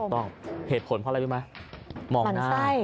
ถูกต้องเหตุผลเพราะอะไรรู้ไหม